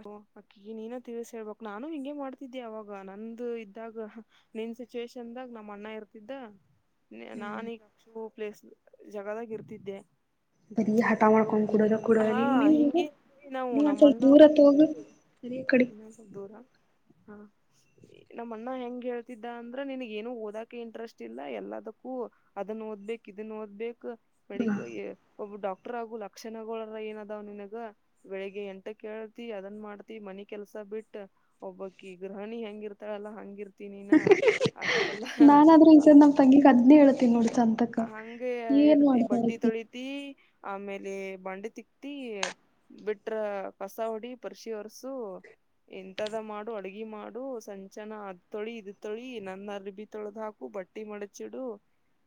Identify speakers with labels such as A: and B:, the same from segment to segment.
A: ಅ ಅಕ್ಕಿ ನೀನ ತಿಳಸ ಹೇಳ್ಬಕ್ ನಾನು ಹಿಂಗಗೆ ಮಾಡ್ತಿದ್ದಿ ಅವಾಗ ನಂದು ಇದ್ದಾಗ ನಿನ್ ಸಿಚುವೇೇಶನ್ದಾಗ ನಮ್ಮ್ ಅಣ್ಣ ಇರ್ತಿದ್ದ ನಾನೀಗಷ್ಟು ಪ್ಲೇಸ್ ಜಗದಾಗ ಇರ್ತಿದ್ದೆ
B: ಬರೀ ಹಟಾ ಮಾಡ್ಕೊಂಡ ಕುಡದ ಕುಡದ
A: ಹಾ
B: ನೀವು ನೀ ನೀವ
A: ಹಿಂಗೆ ನಾವು ನಮ್ಮ
B: ಒಂದಸಲ್
A: ಅಣ್ಣ
B: ದೂರತ್ ಹೋಗಿ ಸರಿಯ ಕಡೆ
A: ಇನ್ನೊಂದ್ ದೂರ ಹಾ ನಮ್ಮ ಅಣ್ಣ ಹೆಂಗ ಹೇಳ್ತಿದ್ದ ಅಂದ್ರ ನನ್ಗ ಏನು ಓದಕ ಇಂಟ್ರೆಸ್ಟ್ ಇಲ್ಲ ಎಲ್ಲದಕ್ಕೂ ಅದನ್ ಓದ್ಬೇಕಕ್ ಇದನ್ನ ಓದ್ಬೇಕಕ್
B: ಹ
A: ಮೆಡಿಕಲ್ ಒಬ್ಬ ಡಾಕ್ಟರ್ ಆಗುಲ ಕ್ಷಣಗಳರ ಏನ ಅದಾವ್ ನಿನಗ ಬೆಳಿಗ್ಗೆ ಎಂಟ ಕೇಳ್ತಿ ಅದನ್ ಮಾಡ್ತಿ ಮನಿ ಕೆಲ್ಸ ಬಿಟ್ಟ ಒಬ್ಬಕಿ ಗ್ರಹಣಿ ಹೆಂಗಿರ್ತಾಳಲ್ಲಾ ಹಂಗಿರ್ತನಿನ ಅಲ್ಲ
B: ತಂಗಿ ಅದ್ನೆೇ ಹೇಳಳ್ತಿ ನೋಡ್ಸ ಅಂತ
A: ಹಂಗ ಇಡ್ತಿ ಬಟ್ಟಿ ತೊಳತಿ ಆಮೇಲೆ ಬಂಡೆ ತಿಕ್ತಿ ಬಿಟ್ರ ಕಸ ಹೊಡಿ ಪರ್ಶಿ ವರ್ಸು ಎಂತದ ಮಾಡು ಅಡ್ಗಿ ಮಾಡು ಸಂಚನ ಅದ್ ತೊಳಿ ಇದ ತೊಳಿ ನನ್ನ ಅರ್ ಬಿಿ ತೊಳೆ ಹಾಕು ಬಟ್ ಕಟ್ಟಿ ಮಡಚಿಡು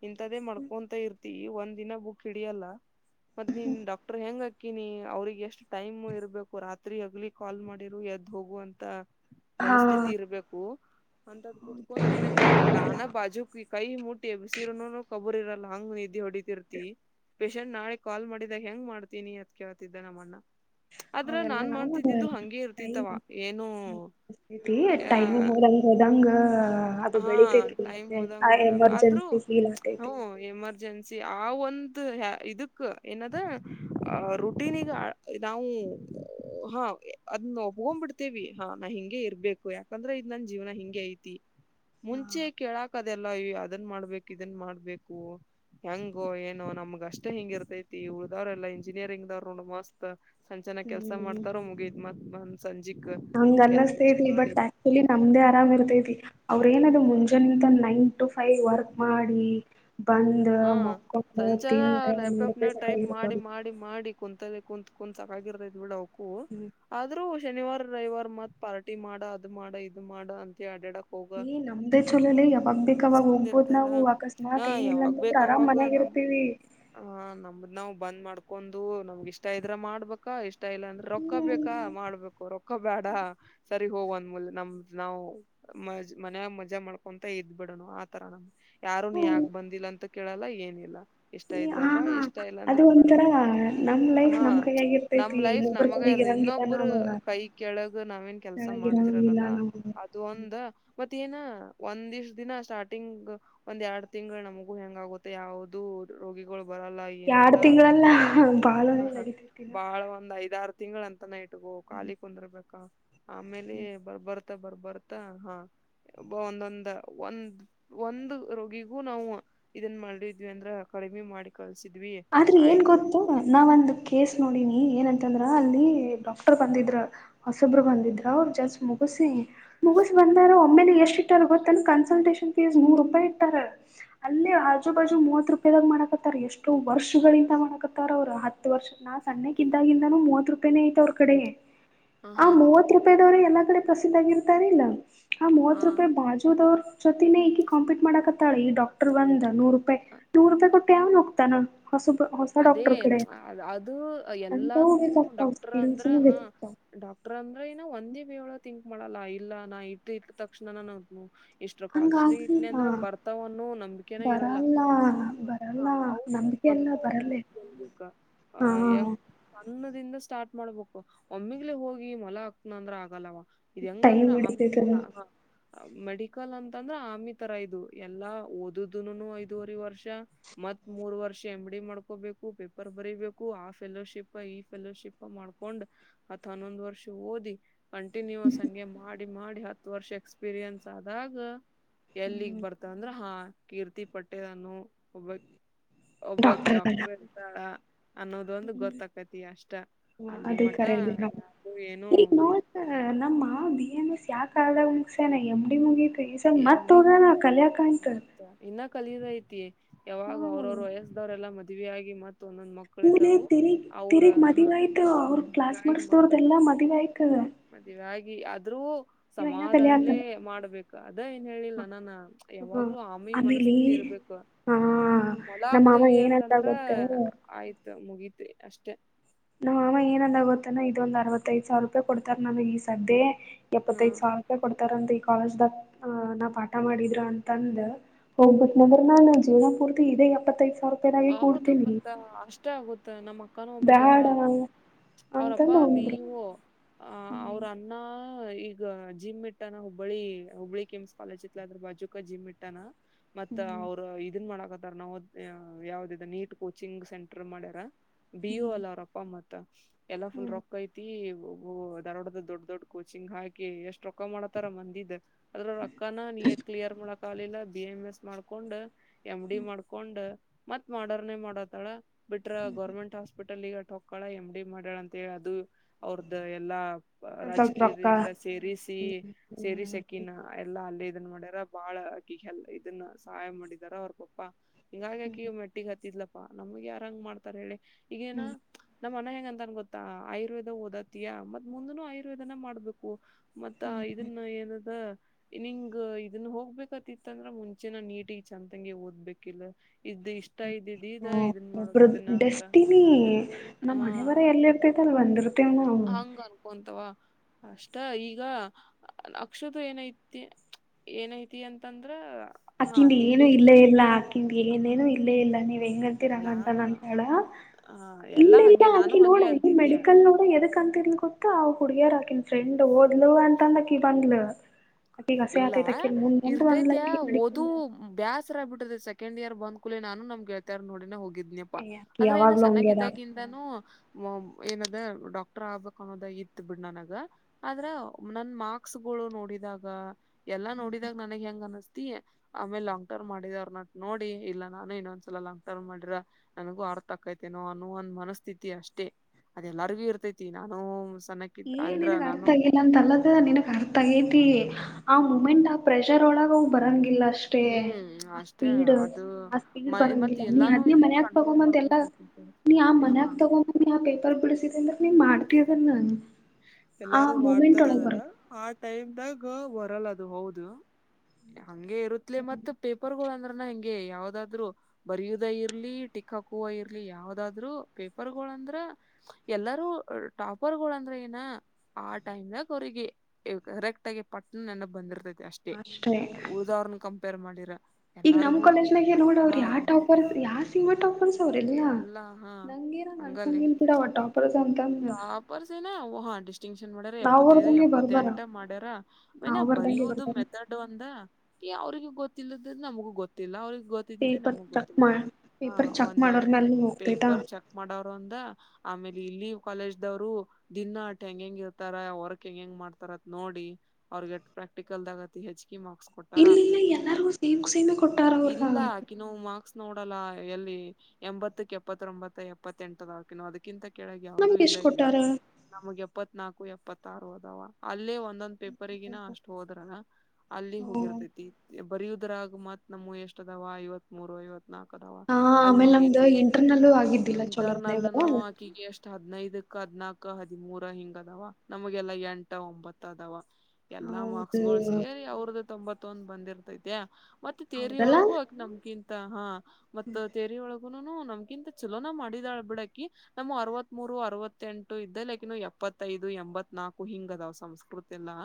A: ಇಂತದೇ ಮಾಡ್ಕೊಂತ ಇರ್ತಿ ಒಂದ್ ದಿನ ಬುಕ್ ಹಿಡಿಯಲ್ಲ ಮತ್ ನೀನ್ ಡಾಕ್ಟರ್ ಹೆಂಗತಿ ಹಾಕಿನಿ ಅವ್ರಗ್ ಎಷ್ಟ್ ಟೈಮ್ ಇರ್ಬೇಕು ರಾತ್ರಿ ಆಗ್ಲಿ ಕಾಲ್ ಮಾಡಿರು ಎದ ಹೋಗು ಅಂತ
B: ಹಾ
A: ಮನಸ್ಥಿತಿ ಇರ್ಬೇಕು ಅಂತದ ಕುೂತ್ಕೊಂಡ್ ನಿನಗ್ ನಾನಾ ಬಾಜು ಕೈ ಮುಟ್ಟಿಿಸಿೀರುನು ಕಬುರ್ ಇರಲ್ಲ ಹಂಗ್ ನಿದ್ದಿ ಹೊಡತಿರ್ತಿ ಪೇಶೆಂಟ್ ನಾಳೆ ಕಾಲ್ ಮಾಡಿದಾಗ ಹೆಂಗ್ ಮಾಡ್ತೀನಿ ಅತ್ ಕೇಳ್ತಿದ್ದ ನಮ್ಮ ಅಣ್ಣ ಆದ್ರ
B: ಅವೆಲ್ಲ
A: ನಾನ್ ಮಾಡ್ತಿದ್ದಿದ್ದು ಹಂಗಗೆ ಇರ್ತಿತ್ತವ ಏನು ಆ
B: ಇದಾಂಗ
A: ಹಾ ಟೈಮ್ ಹೋದಂಗಗೆ ಹೋದಂಗ ಆದ್ರುೂ
B: ಎಮರ್ಜೆನ್ಸಿ ಫೀಲ್
A: ಹ
B: ಆಗ್ತೈತಿ
A: ಎಮರ್ಜೆನ್ಸಿ ಆ ಒಂದು ಇದಕ್ ಏನದ ರುಟೀನ್ಗ ನಾವು ಹಾ ಅದನ್ನ ಒಬ್ಕೊಂಡ್ಬಿಡ್ತೇವಿ ಹಾ ನಾ ಹಿಂಗಗೆ ಇರ್ಬೇಕು ಯಾಕ ಅಂದ್ರೆ ಇದ್ ನನ್ ಜೀವನ ಹಿಂಗೆ ಐತಿ ಮುಂಚೆ ಕೇಳಾಕ್ದೆಲ್ಲ ಇ ಅದನ್ ಮಾಡ್ಬೇಕು ಇದನ್ ಮಾಡ್ಬೇಕು ಹೆಂಗೋ ಏನೋ ನಮ್ಗ ಅಷ್ಟ ಹಿಂಗ ಇರ್ತೈತಿ ಉಳ್ದವ್ರ ಎಲ್ಲಾ ಇಂಜಿನಿಯರಿಂಗ ದವ್ರು ಮಸ್ತ್ [unintelligible] ಸಂ ಚೆನ ಕೆಲ್ಸ
B: ಹ್ಮ್
A: ಮಾಡ್ತಾರೋ ಮುಗಿದ್ ಮತ್ ಮಂದ್ ಸಂಜಿಕ್ [unintelligible]
B: ಹಂಗ್
A: ಕೆಲ್
B: ಅನ್ನಿಸ್ತೇತಿ
A: ಮಾಡಿ
B: ಬಟ್ ಆಕ್ಚುಲಿ ನಮ್ದೇ ಆರಾಮ ಇರ್ತೈತಿ [unintelligible] ಅವ್ರ ಏನದ ಮುಂಜಾನಂತ ನೈನ್ ಟು ಫೈವ್ ವರ್ಕ್ ಮಾಡಿ [unintelligible] ಪಂದ
A: ಹಾ
B: ಮೊಕ್ಕಳ
A: ಸಂಜಾನ
B: ತಿಂಡ ಮಡತೆ ಸಕರೆ ಇರುತವ್ರ [unintelligible]
A: ಡಿ ಮಾಡಿ ಕುಂತ ಕುತ್ ಕುಸಕ ಆಗರ್ದ ಇದ್ ಬಿಡೋಕ್ಕು
B: ಹ್ಮ್
A: [unintelligible] ಆದ್ರೂ ಶನಿವಾರ ರವಿವಾರ ಮತ್ ಪಾರ್ಟಿ ಮಾಡ ಅದ ಮಾಡ ಇದು ಮಾಡಾ ಅಂತ ಅಡ್ಯಾಡ [unintelligible]
B: ಈ ನಮ್ದೇ ಚಛಲೋಲಿ ಯಾವಾಗ ಬೇಕಕ್ ಅವಾವಾಗ
A: ಚಂದ
B: ಹೋಗ್ಬೋದು
A: ಇರ್ತಾರ
B: ನಾವು
A: ಹ
B: ಅಕಸ್ಮಾತ್ ಏನ ಇಲ್ಲ
A: ಯಾವಾಗ
B: ಅಂದ್ರ
A: ಬೇಕ್
B: [unintelligible] ಆರಾಮ್
A: ಅವಾಗ
B: ಮನ್ಯಾಗ
A: ನಮ್
B: ಇರ್ತೀವಿ
A: ಹ ನಮ್ದ್ ನಾವ್ ಬಂದ್ ಮಾಡ್ಕೊಂಡು ನಮ್ಗ ಇಷ್ಟ ಇದ್ರ ಮಾಡ್ಬಾ ಇಷ್ಟ ಇಲ್ಲ ಅಂದ್ರ ರೊಕ್ಕ
B: ಹ್ಮ್
A: ಬೇಕಾ ಮಾಡ್ಬೇಕು ರೊಕ್ಕ ಬೇಡ ಸರಿ ಹೋಗಂದ್ ಮೂಲ್ ನಮ್ದ್ ನಾವವು ಮಜ್ ಮನ್ಯಾಗ ಮಜಾ ಮಾಡ್ಕೊಂತ ಇದದ್ ಬಿಿಡೋನು ಆತರ ನಮ್ ಯಾರು ನೀ ಯಾಕ
B: ಹ್ಮ್
A: ಬಂದಿಲ್ಲ ಅಂತ ಕೇಳಲ್ಲ ಏನಿಲ್ಲ ಇಷ್ಟ ಇದ್ರ
B: ಆ
A: ಬಾ ಇಷ್ಟ ಇಲ್ಲ
B: ಅದು
A: ಅಂದ್ರ ಬಿಡು
B: ಒಂಥರ ನಮ್ ಲೈಫ್
A: ಹಾ
B: ನಮ್
A: ನಮ್
B: ಕೈಯಾಗಿರ್ತೈತಿ
A: ಲೈಫ್
B: ಇನ್ನೊಬ್ರ
A: ನಮಗ ಇರ್ದ
B: ಕೈಯಾಗಿರಂಗಿಲ್ಲ
A: ಇನ್ನೊಬ್ಬರು
B: ನಾವ್
A: ಕೈ ಕೆಳಗ ನಾವೇನ್ ಕೆಲ್ಸ
B: ತೆಳಗಿರಂಗಿಲ್ಲ
A: ಮಾಡ್ತಿರಲ್ಲಾ
B: ನಾವು
A: ಒಂದ ಮತ್ತ ಏನ ಒಂದಿಷ್ಟ ದಿನ ಸ್ಟಾರ್ಟಿಂಗ್ ಒಂದ್ ಎರಡ್ ತಿಂಗಳು ನಮಕ್ [unintelligible] ಹೆಂಗಗುತ್ತೆ ಯಾವುದು ರೋಗಿಗಳು ಬರಲ್ಲ [unintelligible] ಏನಿಲ್ಲ
B: ಎರಡ್ ತಿಂಗಳಲ್ಲ ಬಾಳ
A: ಹ
B: ನಡೀತಿರ್ತಿವ
A: ಬಾಳ ಒಂದ್ ಐದಾರ [unintelligible] ತಿಂಗಳಂತ ನೈಟ್ಗೋ ಖಾಲಿಂದಿರ್ಬೇಕ ಆಮೇಲೆ ಬರ್ ಬರ್ [unintelligible] ಬರ್ ಬರ್ತಾ ಹಾ [unintelligible] ಒಬ್ಬ ಒಂದೊಂದ ಒಂದ್ ಒಂದ್ ರೋಗಿಗೂ ನಾವು [unintelligible] ಇದನ್ ಮಾಡಿದ್ವಿ ಅಂದ್ರ ಕಡಿಮೆ ಮಾಡಿ ಕಲ್ಸಿದ್ವಿ [unintelligible]
B: ಆದ್ರೆ ಏನ್ ಗೊತ್ತು [unintelligible] ನಾವ ಒಂದು ಕೇಸ್ ನೋಡಿನಿ ಏನಂತಂದ್ರೆ ಅಲ್ಲಿ ಡಾಕ್ಟರ್ ಬಂದಿದರು [unintelligible] ಹೊಸೊಬ್ರು ಬಂದಿದ್ರ ಅವರು ಜಸ್ಟ್ ಮುಗುಸಿ ಮುಗಸ ಬಂದಾರ [unintelligible] ಆಮೇಲೆ ಎಷ್ಟ ಇಾರ ಗೊತ್ತಂದ ಕನ್ಸಲ್ಟೇಷನ್ ಫೀಸ್ ನೂರು ರೂಪಾಯಿ ಇಟ್ಟಾರ [unintelligible] ಅಲ್ಲಿ ಆಜು ಬಾಜು ಮೂವತ್ ರೂಪಾಯದಾಗ ಮಾಡಕತ್ತಾರ ಎಷ್ಟು [unintelligible] ವರ್ಷಗಳಿಂದ ಮಾಡಕತ್ತಾರ ಅವರು ಹತ್ತು ವರ್ಷ [unintelligible] ನಾನ್ ಸಣ್ಣಗ ಇದ್ದಾಗಿಲ್ಲಾನು ಮೂವತ್ ರೂಪಾಯನ ಐತ ಅವ್ರ ಕಡೆ [unintelligible]
A: ಹ
B: ಆ
A: ಹಾ
B: ಮೂವತ್ ರೂಪಾಯ ದವ್ರ ಎಲ್ಲಾ ಕಡೆ ಪ್ರಸಿದ್ಧ ಆಗಿರ್ತಾರಿಲ್ಲಾ ಆ ಮೂವತ್ ರೂಪಾಯಿ
A: ಹಾ
B: ಬಾಜ [unintelligible] ಅವ್ರ ಜೊತನೇ ಈಕಿ ಕಾಂಪೀಟ್ ಮಾಡಕತ್ತಾಳೆ ಈ ಡಕ್ರ್ ಬಂದ ನೂರು ರೂಪಾಯಿ ನೂರು ರೂಪಾಯಿ ಕೊಟ್ಟ ಅವ್ರ್ ತಾನ
A: ಅದೇ ಅದು
B: ಅಂತವು
A: ಎಲ್ಲಾನುನು
B: ಬೇಕಾಗ್ತಾವ
A: ಡಾಕ್ಟರ್ ಅಂದ್ರ
B: ಸ್ಕಿಲ್ಸ್ನು
A: ಹ
B: ಬೇಕಾಗ್ತಾವ
A: ಡಾಕ್ಟರ್ ಅಂದ್ರೆ ಇನ ಒಂದೇ ಬೇೇಳಳ ತಿಂಕ್ ಮಾಡಲ್ಲ ಇಲ್ಲ ನಾ ಇಟ್ಟ ಇಟ್ಟ ತಕ್ಷಣನ ನೋ ಇಷ್ಟು ಕಾಿಸ್ಲಿ
B: ಹಂಗಾಗಿ
A: ಇಟ್ಟನ
B: ಹಾ
A: ಅಂದ್ರೆ ಬರ್ತಾವ ಅನ್ನೋ ನಂಬಿಕೆನ ಇರಲ್ಲ
B: ಬರಲ್ಲ ಬರಲ್ಲ
A: ಹಂಗ
B: ನಂಬಿಕೆ ಎಲ್ಲ ಬರಲ್ಲೇ ಹಾ
A: ಸನ್ನದಿಂದ ಸ್ಟಾರ್ಟ್ ಮಾಡ್ಬೇಕು ಒಮ್ಮಿಗ್ಲೇ ಹೋಗಿ ಮೊಲ ಹಾಕ್ತನ ಅಂದ್ರ ಆಗಲ್ಲವ ಇ
B: ಟೈಮ್
A: ಹೆಂಗಂದ್ರೆ
B: ಹಿಡಿತೈತದ
A: ಆ ಮೆಡಿಕಲ್ ಅಂತ ಅಂದ್ರ ಆಮಿ ತರ ಇದು ಎಲ್ಲಾ ಓದುದುನುನು ಐದೂುವರೆ ವರ್ಷ ಮತ್ತ ಮೂರು ವರ್ಷ ಎಮ ಡಿ ಮಾಡ್ಕೋಬೇಕು ಪೇಪರ್ ಬರೀಬೇಕು ಆ ಫೆಲೋಶಿಪ್ ಈ ಫೆಲೋಶಿಪ್ ಮಾಡ್ಕೊಂಡ್ ಆತ್ ಹನ್ನೊಂದ್ ವರ್ಷ ಓದಿ ಕಂಟಿನ್ಯೂಯಸ್ ಹಗೆ ಮಾಡಿ ಮಾಡಿ ಹತ್ತು ವರ್ಷ ಎಕ್ಸ್ಪೀರಿಯನ್ಸ್ ಆದಾಗ ಎಲ್ಲಿಗ್ ಬರ್ತವಂದ್ರ ಹಾ ಕೀರ್ತಿ ಪಟ್ಟ್ಯನ್ನು ಒಬ್ಬ ಒಬ್ಬಕ್
B: ಡಾಕ್ಟರ್ದಲ್ಲ
A: ತಾಳ ಅನ್ನೋದ ಒಂದು ಗೊತ್ತಕತಿ ಅಷ್ಟ
B: ಹಾ
A: ಅಲ್ಲಿ
B: ಅದ
A: ಮಠ
B: ಕರ
A: ಯಾರು ಏನು
B: ಈಗ ನೋಡ್ತ ನಮ್ಮ ಮಾ ಬಿನ ಯಕ ಕಾಲಲ್ದಾಗ ಮುಗಸ್ಯಾನ ಎಂಬಡಿ ಮುಗಿತತು ಈ ಸ
A: ಎಮ್
B: ಮತ್
A: ಡಿ
B: ಹೋಗಣ ಕಲ್ಯಾಕಾಯಂತ
A: ಮತ್ತ ಇನ್ನ ಕಲೀದ ಐತಿ ಯಾವಾಗ
B: ಹ್ಮ
A: ಅವ್ರವರು ವಯಸ್ಸ್ದವ್ರಲ್ಲಾ ಮದ್ೆಯ ಆಾಗಿ ಮತ್ತತ್ ಒಂದೊಂದ್ ಮಕ್ಳ ಮಕ್ಕಳ
B: ಕೂಡ್ಲೆ
A: ಇದ್ದವು
B: ತಿರಿಗ್
A: ಅವ್ರ
B: ತಿರಿಗ್ ಮದಿವಿ
A: ಮಗಾಗಿ ಮಕ್ಕಳುರ್ತಾವ
B: ಬಾಯಕ
A: ಮದುವಾಗಿ ಆದ್ರೂ
B: ಇನ
A: ಸಮಾಧಾನಲ್ಲೇ
B: ಕಲ್ಯಾತನ
A: ಮಾಡ್ಬೇಕು ಅದ ಏನ್ ಹೇಳಿಲ್ಲ ನಾನ
B: ಹ್ಮ
A: ಯಾವಾಗ್ಲೂ ಆಮಿ
B: ಆಮೇಲೆ
A: ಮನಸ್ಥಿತಿ ಇರ್ಬೇಕ
B: ಹಾ
A: ಮಲ
B: ನಮ್ಮ ಮಾವ
A: ಹಾಕ್ತೇವಿ
B: ಏನಂತ
A: ಅಂತಂದ್ರ
B: ಗೊತ್ತ
A: ಆಯ್ತು ಮುಗತ್ರಿ ಅಷ್ಟೇ
B: ನಾವ ಏನಂದ ಗೊತ್ತನ ಇದೊಂದ ಅರವತ್ತೈದ ಸಾವಿರ ರೂಪಾಯಿ ಕೊಡ್ತಾರ ನನಗೆ ಈ ಸದೆ
A: ಹ್ಮ
B: ಎಪ್ಪತ್ತೈದು ಸಾವಿರ ಕೊಡ್ತಾರಂತ ಈ ಕಾಲೇಜ್ಾಗ ನಾ ಪಾಠ ಮಾಡಿದ್ರ ಅಂತಂದ ಹೋಗ್ಬಟ್ ನಂದ್ರ ನು ಜೀವನ ಪೂರ್ತಿ ಇ ಇದದೆ ಎಪ್ಪತ್ತೈದು ಸಾವಿರ ರೂಪಾಯದಾಗಾಗಿ ಕೊಡ್ತೀನಿ
A: ಅಷ್ಟೇ ಆಗುತ್ತ ನಮ್ಮ ಅಕ್ಕನೂ ಒಬ್ಬಕ್ದಳಲ್ಲ
B: ಅಂತಂದ
A: ಅವ್ರಪ್ಪಾ ಬಿ
B: ಹೋಗಿದ್ರು
A: ಇ ಓ ಅ ಅವ್ರ
B: ಹ್ಮ್
A: ಅನ್ನ ಈಗ ಜಿಮ್ ಮಿಟ್ಟನ ಹುಬ್ಬಳಿ ಹುಬ್ಬಳಿ ಕೆಮಸ ಕಾಲೇಜಿತ್ಲ ಅ ಆದ್ರ ಬಜುಕ ಜಿಮ್ ಇಟ್ಟಾನ ಮತ್ತ
B: ಹ್ಮ್
A: ಅವರು ಇದನ್ ಮಾಡಕತ್ತಾರ ನಾವ ಯಾವ್ದ ನೀಟ್ ಕೋಚಿಂಗ್ ಸೆಂಟರ್ ಮಾಡ್ಯಾರ ಬೀವ ಎಲ್ಲರೊಪ್ಪ ಮತ್ತ ಎಲ್ಲಾ ಫುಲ್ ರೊಕ್ಕ ಐತಿ ದಧಾರ್ವಾಡದ ದೊಡ್ಡ ದೊಡ್ಡ ಕೋಚಿಂಗ್ ಹಾಕಿ ಎಷ್ಟ್ ರೊಕ್ಕಮಾಡತಾರ ಮಂದಿದ್ ರೆಕಾರ್ಡಿಂಗ್ ಕ್ಲಿಯರ್ ಮಾಡಕ್ಕಾಗ್ಲಿಲ್ಲ ಬಿಎಂಎಸ್ ಮಾಡ್ಕೊಂಡು ಎಂಡಿ ಮಾಡ್ಕೊಂಡು ಮತ್ ಮಾಡೋರ್ನೇ ಮಾಡತ್ತಾಳ ಬಿಟ್ರ ಗೌರ್ಮೆಂಟ್ ಹಾಸ್ಪಿಟಲ್ ಈಗ ಎಂಡಿ ಮಾಡಲ್ಲ ಅಂತ ಹೇಳಿ ಯಾವತ್ತೂ ಎಲ್ಲಾ
B: ಒಂದ್ ಸ್ವಲ್ಪ
A: ಯಾಕೆ
B: ರೊಕ್ಕ
A: ಎಲ್ಲ ಸೇರಿಸಿ ಸೇರಿಸಿ ಕಿನ್ನ ಎಲ್ಲಾ ಅಲ್ಲಿ ಇದನ್ ಮಾಡ್ಯಾರ ಬಾಳ್ಕಿಲ್ ಇದನ್ನ ಸಹಾಯ ಮಾಡಿದಾರ ಅವ್ರ ಪಪ್ಪ ಹಿಂಗ ಮೆಟ್ಟಿಗ್ ಹತ್ತಿದ್ಪ್ಪಾ ನಮ್ಗೆ ಯಾರಂಗ್ ಮಾಡ್ತಾರ ಹೇಳಿ ಈಗೇನ
B: ಹ್ಮ್
A: ನಮ್ಮನೆಗೆ ನಂತರ ಹೋಗ್ತಾ ಆಯುರ್ವೇದ ಓದ್ತೀನಿ ಮುಂದಿನ ಅಧ್ಯಾಯ ಮಾಡಬೇಕು ಮತ್ತ ಇದನ್ನ ಏನದ ನಿಂಗ ಇದನ್ ಹೋಗ್ಬೇಕತಿತ್ತ ಅಂದ್ರ ಮುಂಚೆನ ನೀಟಗ ಚಂತಂಗಗೆ ಓದ್ಬೇಕಿಲ್ಲ ಇದ್ದ ಇಷ್ಟ ಇದ್ದಿದ್ ಇದ ಇದನ್ ಮಾಡೋದು
B: ಒಬ್ಬರು
A: ಇದನ್ನ ಅಂತ
B: ಡೆಸ್ಟಿನೇ ನಮ್
A: ಹಾ
B: ಹಣೆಬರ ಎಲ್ಲಿರುತ್ತೋ ಬಂದರು
A: ಹಂಗ ಅನ್ಕೊಂತವಾ ಅಷ್ಟೇ ಈಗ ಅಕ್ಷತಾ ಏನೈತಿ ಏನೈತಿ ಅಂತಂದ್ರ ಹಾ
B: ಅಕ್ಕಿದು ಏನು
A: ಇಲ್ಲಿ
B: ಏನು ಇಲ್ಲ ಅಕ್ಕಿದು ಏನು
A: ಹ
B: ಇಲ್ಲ ಇಲ್ಲ ನೀವು ಹೆಂಗ್
A: ಇಲ್ಲ
B: ಅನ್ಕೊಂತೀರಾ
A: ಹ
B: ಇಲ್ಲ
A: ಎಲ್ಲಾ
B: ಇಲ್ಲ
A: ಹಂಗೆ ನಾನು
B: ಹಾಕಿನ ನೋಡು
A: ಹಂಗೆ ಅಂತಿದ್ದೆ
B: ಮೆಡಿಕಲ್ ನೋಡ ಎದಕ್ ಅಂತಿರ್ ಗೊಾ ಅವ ಹುಡುಗಿಯರ ಹಾಕನ್ ಫ್ರೆಂಡ್ ಓದ್ಲು ಅಂತ ಅಂದಕಿ ಬಂದ್ ಹಾಕಿದ್ದು ಆಸೆ ಆಗ್ತಾ ಇದೆ ಅಂದು ಮುಂದೆ ಮುಂದೆ ಬಂದು
A: ಇದು ಬ್ಯಾಸರ ಬಿಟ್ಟದೆ ಸೆಕೆಂಡ್ ಇಯರ್ ಬಂದಕೂಲೆೇ ನಾನು ನಮ್ಗೆಳ್ತಿಯರ್ ನೋಡನೆ ಹೋಗಿದ್ನ
B: ಏ ಆಕಿ
A: ಆದರೆ ಏನು
B: ಯಾವಾಗ್ಲೂ
A: ಸಣ್ಣ
B: ಹಂಗೆ ಅದಾಳ್.
A: ಕಿದ್ದಾಗಿಂದ ನಾನು ಏನದ ಡಾಕ್ಟರ್ ಆಗ್ಬೇಕಕ್ ಅನ್ನೋದ ಇತ್ ಬಿಡ್ ನನಗ ಆದರೆ ನನ್ನ ಮಾರ್ಕ್ಸ್ ಗಳು ನೋಡಿದಾಗ ಎಲ್ಲದು ನೋಡಿದಾಗ ಹೆಂಗ್ ಅನಿಸ್ತೈತಿ ಆಮೇಲೆ ಲಾಂಗ್ ಟರ್ನ್ ಮಾಡಿದರೆ ನೋಡಿ ನಾನು ಇನ್ನೊಂದ್ಸಲಿ ಲಾಂಗ್ ಟರ್ನ್ ಮಾಡಿದರೆ ನನಗೂ ಅರ್ತಕೈತೆೇನೋ ಅನ್ನೋ ಒಂದ ಮನಸ್ಥಿತಿ ಅಷ್ಟೇ ಅದು ಎಲ್ಲರಿಗೂ ಇಷ್ಟ ನಾನು ಸಣ್ಣಕಿ
B: ಏನ್ ನಿನಗ್ ಅರ್ಥ ಆಗ ಇಲ್ಲಂತ ಅಲ್ಲದ ನನ್ಗ್ ಅರ್ಥ ಆಗೈತಿ ಆ ಮೂಮೆಂಟ್ ಆ ಪ್ರೆಷರ್ ಒಳಗ ಬರಂಗಿಲ್ಲ ಅಷ್ಟ
A: ಹ್ಮ್ ಅಷ್ಟೇ ಅದು
B: ಆ
A: ಮ ಮತ್ತೆ
B: ಬರಾಂಗಿಲ್ಲ ನೀ
A: ಎಲ್ಲಾನು
B: ಅದ್ನೇ
A: ಇದ
B: ಮನ್ಯಾಗ್
A: ಕಂಟ್ರೋಲ್ ಮಾಡ್ಕೊಬೇಕ ಹ, [unintelligible]
B: ತಗೊಂಡ ಆ ಪೇಪರ್ ಬಿಡಸಿದ ಅಂದ್ರ ನೀಮಾಡ್ತರಲ್ಲ
A: ಎಲ್ಲರೂ ಮಾಡ್ತಾರಾ ಅದನ್ನು ಆ ಟೈಮ್ ಆಗೆ ಬರಲ್ಲ ಅದು ಹಂಗೆ ಇರುತ್ತಲ್ಲೆ ಮತ್ತೆ ಪೇಪರ್ ಗಳು ಅಂದ್ರನ ಹೆಂಗೆ ಯಾವದಾದ್ರು ಬರುದ ಇರ್ಲಿ ಟಿಕ್ಕಕುವ ಇರ್ಲಿ ಯಾವದಾದ್ರು ಪೇಪರ್ಗಳಗಳು ಅಂದ್ರ ಎಲ್ಲರೂ ಟಾಪ್ ಆಗಬೇಡ ಅಂದ್ರೆ ಆ ಟೈಮ್ಗ ಹೊರಗೆರೆಕ್ಟ್ ಆಗಿ ಪಟ್ ನೆನ ಬಂದಿರ್ತೈತಿ ಅಷ್ಟೆ,
B: ಅಷ್ಟೇ.
A: ಉದಾವ್ರನ್ನ ಕಂಪೇರ್ ಮಾಡಿರ
B: ಈಗ ನಮ್
A: ಎಲ್ಲಾರಿಗೂ
B: ಕಾಲೇಜ್ನಗ ನೋಡ ಅವರು
A: ಹಾ
B: ಯಾವ ಟಾಪರ್ ಯಾವ ಸೀಮಾ ಟಾಪರ್ಸ್ ಅವ್ರಲ್ಲಾ ನಂಗಿರ
A: ಅಂಗಲೆ
B: ಡೌಟು ಸಂಂತ [unintelligible]
A: ಾಪರ್ಸ್ ಏನ ಓಹಾ ಡಿಸ್ಟಿಂಕ್ಷನ್ ಮಾಡ್ಯಾರ
B: ನಾವ್
A: ಎಪ್ಪತ್ತೈದು
B: ಬರ್ದಂಗೆ
A: ಎಪ್ಪತ್ತ
B: ಬರ್ದಾರ
A: ಎಂಟ ಮಾಡ್ಯಾರ ಅವೇನ
B: ನಾವ್ ಬರ್ದಂಗೆ
A: ಬರಯುವುದು
B: ಬರ್ದಾರ.
A: ಮೆತಡ್ ಅಂದ ಅವ್ರಿಗೂ ಗೊತ್ತಿಲ್ಲದ ನಮಗೂ ಗೊತ್ತಿಲ್ಲ ಅವ್ರಿಗೆ ಗೊ ತ್ತಿದ್ದಿದ್ದು
B: ಪೇಪರ್
A: ನಮಗ್
B: ಚೆಕ್ ಮಾಡ
A: ಗೊತ್ತತಿ ಆ
B: ಪೇಪರ್ ಚೆಕ್
A: ಒಂದ್
B: ಮಾಡೋರ್
A: ಎರಡ್
B: ಮ್ಯಾಲ ಹೋಗ್ತೈತಾ
A: ಪೇಪರ್ ಚಕ್ ಮಾಡೋರು ಒಂದ ಆಮೇಲೆ ಇಲ್ಲಿವು ಕಾಲೇಜ ದವ್ರು ದಿನ ಆಟ ಹೆಂಗ ಹೆಂಗ ಇರ್ತಾರ ವರ್ಕ್ ಹೆಂಗ ಹೆಂಗ್ ಮಾಡ್ತಾರತ್ ನೋಡಿ ಅವರ್ಗಟ ಪ್ರಾಕ್ಟಿಕಲದಾಗಾತ ಹೆಚ್ಚಿ ಮಾರ್ಕ್ಸ್ [unintelligible] ಕೊಟ್ಟಾರಾ
B: ಇಲ್ಲಿಲ್ಲ ಎಲ್ಲಾರ್ಗೂ ಸೇಮ್ ಸೇಮೆ ಕೊಟ್ಟಾರ ಅವ್ರ
A: ಇಲ್ಲಾ ಅಕಿನು ಮಾರ್ಕ್ಸ್ ನೋಡಲ್ಲ ಎಲ್ಲಿ ಎಂಬತ್ತಕ್ಕೆ ಎಪ್ಪತ್ತರೋಂಬತ್ತು ಎಪ್ಪತ್ತ ಎಂಟ ಅದಾವ ಅಕಿನೋವು ಅದಕ್ಕಿಂತ ಕೆಳಗೆ ಯಾವದೂ
B: ನಮ್ಗೆ
A: ಇಲ್ಲ
B: ಎಷ್ಟ್
A: ಇಲ್ಲಾ
B: ಕೊಟ್ಟಾರ
A: [unintelligible] ನಮಗ್ ಎಪ್ಪತ್ ನಾಲ್ಕು ಎಪ್ಪತ್ತಾರು ಅದಾವ ಅಲ್ಲೇ ಒಂದೊಂದ್ ಪೇಪರಿಗಿನ ಅಷ್ಟು ಹೋದ್ರ ಅಲ್ಲಿ ಹೋಗಿರತೈತಿ ಬರಯುವುದ್ರಾಗ ಮತ್ತ ನಮುವು ಎಷ್ಟ ಅದಾವ ಐವತ್ತ್ ಮೂರು ಐವತ್ [unintelligible] ನಾಕಅದಾವ
B: ಹ
A: ಅಲ್ಲಿ
B: ಆಮೇಲೆ ನಮ್ದು
A: ಹೋಗೇತಿ
B: ಇಂಟರ್ನಲ್ಲೂ ಆಗಿದ್ದಿಲ್ಲ ಚೊಲೋತ್ನಾಗ
A: ಇಂಟರ್ನಲ್ನು ಆಕಿಗೆ ಎಷ್ಟ ಹದ್ನೈದಕ್ ಹದ್ನಾಕ್ ಹದಿಮೂರ ಹಿಂಗ ಅದಾವ ನಮ್ಗೆಲ್ಲಾ ಎಂಟ ಒಂಬತ್ತ ಅದಾವ ಎಲ್ಲಾ
B: ಹೌದು
A: ಮಾರ್ಕ್ಸ್ಗಳು ಸೇರಿ ಅವ್ರದು ತೊಂಬತ್ತೊಂದ ಬಂದಿರ್ತೈತೆ ಮತ್ತ ತೇರಿ
B: ಹೌದಲ್ಲ
A: ಒಳಗೂ ಆಕಿ ನಮ್ಗಿಂತ ಹಾ ಮತ್ತ ತೇರಿ ಒಳಗು ನು ನು ನಮ್ಗಿಂತ ಚಲೋನ ಮಾಡಿದಾಳ ಬಿಡಕಿ ನಮ್ ಅರವತ್ತು [unintelligible] ಮೂರು ಅರವತ್ತೆಂಟು ಇದ್ದಎಲ್ಲಾ ಎಪ್ಪತ್ತೈದು ಎಂಬತ್ ನಾಕು ಹಿಂಗ ಅದಾವ್ ಸಂಸ್ಕೃತ ಎಲ್ಲಾ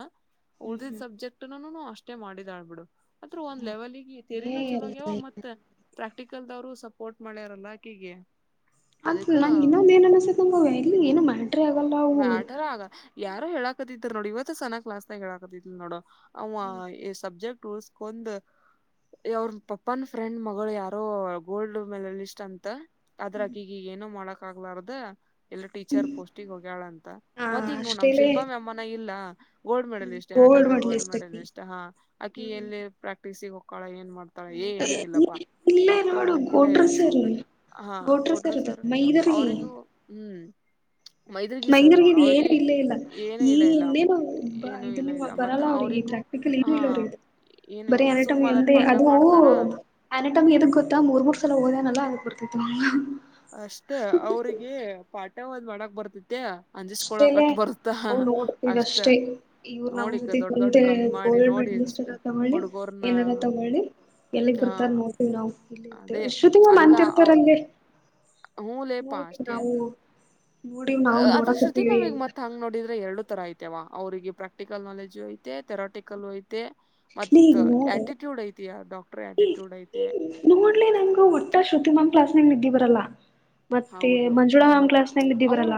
A: ಉಳದಿದ್ದ ಸಬ್ಜೆಕ್ಟ್ ನನು ಅಷ್ಟೇ ಮಾಡಿದಾಳ್ಬಿಡು. ಅದ್ರು ಒಂದ್ ಲೆವೆಲ್ಗೆ
B: ಏ
A: ತೆರಿನೂ ಚಲೋಗ್ಯಾವ ಮತ್ತೆ. ಪ್ರಾಕ್ಟಿಕಲ್ದವರು ಸಪೋರ್ಟ್ ಮಾಡ್ಯಾರಲ್ಲಕೀಗೆ
B: ಅಂತ ನಂಗ ಇನ್ನೊಂದ ಏನಲ್ಲ ಸತಂಗೋ ಇಲ್ಲಿ ಏನಮ್ಮ
A: ಮ್ಯಾಟರ್ ಆಗ ಯಾರೋ ಹೇಳಾಕತಿದ್ರ ನೋಡು ಇವತ್ತು ಸನ ಕ್ಲಾಸ್ನಾಗ ಹೇಳಾಕಟ್ಟಿದ್ಲಾನೊಡು. ಅವ ಈ ಸಬ್ಜೆಕ್ಟ್ ಉಳ್ಸ್ಕೊಂಡ್ ಅವ್ರ ಪಪ್ಪಾನ್ ಫ್ರೆಂಡ್ ಮಗಳು ಯಾರೋ ಗೋಲ್ಡ್ ಮೇಲೆಲಿಸ್ಟ್ ಅಂತ ಅದ್ರಾ ಅಕಿಗಿಗೇನು ಮಾಡಕ್ ಆಗ್ಲಾರ್ದ ಎಲ್ಲ ಟೀಚರ್ ಪೋಸ್ಟಗ ಹೋಗ್ಯಳ ಅಂತ
B: ಹ
A: ಮತ್ತ ಈಗ ನೋಡ ನಮ್ಮ
B: ಅಷ್ಟೇಲೆ
A: ಶಿಲ್ಪ ಮೆಮಾನ ಇಲ್ಲಾ. ಗೋಲ್ಡ್ ಮೆಡಲ್ ಷ್ಟ ಎನಟೈಮಿಗೆ ಗೋಲ್ಡ್
B: ಮೆಡಲಿಸ್ಟ್
A: ಮೆಡಲ್
B: ಅಕಿ
A: ಷ್ಟ ಹಾ ಆಕಿ ಎಲ್ಲಿ ಪ್ರಾಕ್ಟೀಸಿಗೆಗೋಕ್ಕಾಳ ಏನ್ ಮಾಡ್ತಾರೆ. ಅ ಇಗ ಇನ್ನು ಇಲ್ಲ ಪಾ.
B: ಇಲ್ಲೇ
A: ಡಾಕ್ಟರ್
B: ನೋಡು
A: ಅನ್ನಂಗಿಲ್ಲ
B: ಗೋಟ್ರ
A: ಇಲ್ಲ ಸುಮ್
B: ಸರ್
A: ಹಾ
B: ಗೋಟ್ರ
A: ಗೊಡ್ರಿ
B: ಅದ
A: ಸರ್ ಅವರಿಗೂ ಹು.
B: ಮೈಂದೂರ್ಗ ಇದ ಏನು ಇಲ್ಲೇ ಇಲ್ಲ
A: ಏನು
B: ಈ
A: ಇಲ್ಲ ಇಲ್ಲ
B: ಇನ್ನೇನು
A: ಏನು ಇಲ್ಲ
B: ಇದನ್ನೇ
A: ಇಲ್ಲ ಮತ್ತ
B: ಬರಲ್ಲ ಅವ್ರಿಗೆ
A: ಅವ್ರಿಗೂ
B: ಇದ್ರಾಗ. ಬೇಕಲ್ಲಿ ಏನು
A: ಹಾ
B: ಇಲ್ಲ ಅವ್ರಗ ಇದು
A: ಏನು
B: ಬರೀ
A: ಇಲ್ಲ ಸುಮ್
B: ಆರಟಮ
A: ಅದಟ್
B: ಒಂದೇ
A: ಪಾಠ
B: ಅದುವು.
A: ಮಾಡ್ತಾರ
B: ಅನ ಟಮ್ ಎದು ಗೊತ್ತಾ ಮೂರು ಮೂರು ಸಲ ಓದ ನಲ್ಲ ಅದು ಬರ್ತೇತಿ
A: ಅಷ್ಟ ಅವ್ರಿಗೆ ಪಾಠ ಒಂದ್ ಮಾಡಕ್ ಬರ್ತತಿತ್ಯಾ
B: ಅಷ್ಟೇಲೆ
A: ಅಂಜಿಸಕೊಳಾಕಟ್ಟ ಬರುತ್ತ
B: ನಾವು ನೋಡ್ತೀವಿ
A: ಅಷ್ಟ
B: ಅಷ್ಟೇ ಇವ್ರು ನಮ್
A: ನೋಡಿಗ
B: ಜೊತೆ
A: ದೊಡ್ಡ ದೊಡ್ಡ
B: ಕುಂತೆ
A: ಕಂದ್ ಮಾಡಿ
B: ಗೋಲ್ಡ್
A: ನೋಡಿ
B: ಮೆಡಲಿಸ್ಟ್
A: ಅಷ್ಟ
B: ಎಲ್ಲ ತಗೊಳ್ಳಿ ಏನಾರ ತಗೊಳ್ಳಿ ಎಲ್ಲಿಗ್
A: ಹಾ
B: ಬರ್ತಾರ ನೋಡ್ತವಿ ನಾವು ಇಲ್ಲಿ ಇರ್ತೇವಿ
A: ಅದೇ
B: ಅಷ್ಟ ತಿವು ಅಂತ ಇರ್ತಾರಲ್ಲಿ
A: ಹೂಲೆಪ್ಪ ಅಷ್ಟೇ.
B: ನೋಡಿ ನಾವು ನೋಡಕ
A: ತಿನ್ನಅವಿಗೆ ಮತ್ತ ಹಂಗ್ ನೋಡಿದ್ರ ಎರಡು ತರ ಐತವ ಅವ್ರಿಗೆ ಪ್ರಾಕ್ಟಿಕಲ್ ನಾಲೆಜು ಐತೆ ಥೆರಾಟಿಕಲ್ ಐತೆ
B: ಲೇ
A: ಮತ್ತ
B: ಈಗ ನೋಡು
A: ಆಟಿಟ್ಯೂಡ್ ಐತಿಯಾ ಡಾಕ್ಟರ್ ಆಟಿಟ್ಯೂಡ್ ಐತೆ
B: ನೋಡ್ಲಿ ನಂಗು ಊಟ್ಟ ಶ್ರುತಿಮಾಮ್ ಕ್ಲಾಸ್ ನ್ಯಾಗ ನಿದ್ದಿ ಬರಲ್ಲ ಮತ್ತೆ ಮಂಜುಳಾ ಮ್ಯಾಮ್ ಕ್ಲಾಸ್ ನ್ಯಾಗ ನಿದ್ದಿ ಬರಲ್ಲ.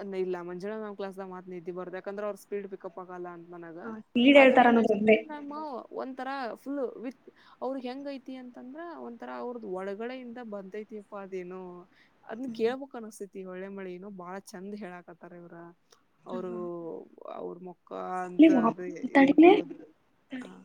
A: ಅ ಇಲ್ಲ ಮಂಜಳಾ ಮ್ಯಾಮ್ ಕ್ಲಾಸ್ನ್ಯಾಗ್ ಮಾತ ನಿದ್ದ ಬರದ ಯಾಕಂದ್ರೆ ಅವ್ರ- ಸ್ಪೀಡ್ ಪಿಕಪ್ ಆಗಲ್ಲ ಅಂತ ನನಗ
B: ಸ್ಪೀಡ್
A: ಆದ್ರ
B: ಹೇಳ್ತಾರ ಅನ್ನೋದ್ರದ್ದೇ.
A: ಏನಷ್ಟ ನ ಒಂರ ಫುಲ್ ವಿತ್ ಅವರ್ ಹೆಂಗ ಐತಿ ಅಂತಂದ್ರ ಒಂಥರ ಅವುರುದ ಒಳಗಡೆಯಿಂದ ಬಂದೈತಿ ಪಾ ಅದೇನು ಅದ್ನ್ ಕೇಳ್ಬಕ್ ಅನಸ್ತೇತಿ ಒಳ್ಳೆ ಮಳಿಏನ್ ಬಾಳ ಚಂದ್ ಹೇಳಾಕತ್ತಾರ ಇವ್ರ [unintelligible] ಅವರು ಅವ್ರ ಮುಕ್ಕ ಅಂತ ಅ ಇದನ್
B: ತಡಿಲೆ
A: ಕೊಡದ ಹ